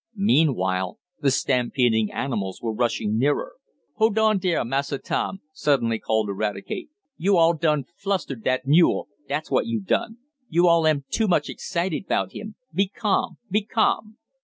Meanwhile the stampeding animals were rushing nearer. "Hold on dere, Massa Tom!" suddenly called Eradicate. "Yo' all done flustered dat mule, dat's what yo' done. Yo' all am too much excited 'bout him. Be calm! Be calm!"